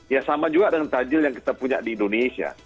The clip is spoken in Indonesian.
ya sama juga dengan tajil yang kita punya di indonesia